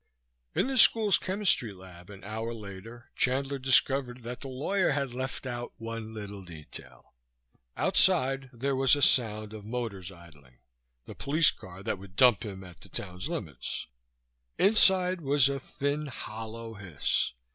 ... In the school's chemistry lab, an hour later, Chandler discovered that the lawyer had left out one little detail. Outside there was a sound of motors idling, the police car that would dump him at the town's limits; inside was a thin, hollow hiss.